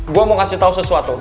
gua mau kasih tau sesuatu